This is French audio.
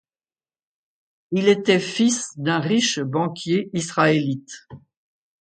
Il était fils d'un riche banquier israélite.